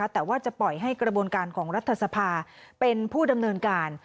แต่ว่าจะปล่อยให้กระบวนการของรัฐสภาเป็นผู้ดำเนินการ